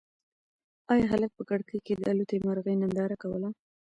ایا هلک په کړکۍ کې د الوتی مرغۍ ننداره کوله؟